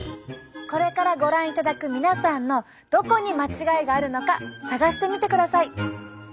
これからご覧いただく皆さんのどこに間違いがあるのか探してみてください。